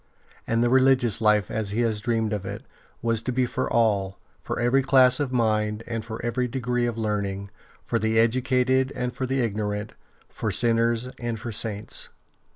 And the religious life, as he had dreamed of it, was to be for all, for every class of mind and for every degree of learning, for the educated and for the ignorant, for sinners and for Saints.